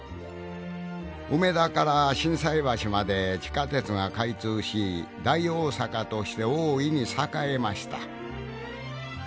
梅田から心斎橋まで地下鉄が開通し大大阪として大いに栄えました